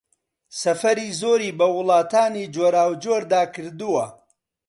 سەفەری زۆری بە وڵاتانی جۆراوجۆردا کردووە